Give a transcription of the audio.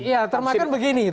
ya termahkan begini